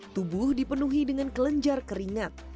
tubuh dipenuhi dengan kelenjar keringat